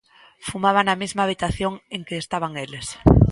Fumaba na mesma habitación en que estaban eles.